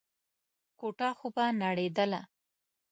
کوټه خو به نړېدله.